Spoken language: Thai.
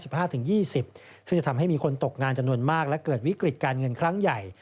ซึ่งจะทำให้มีคนตกงานจำนวนมากและเกิดวิกฤตการเงินครั้งใหญ่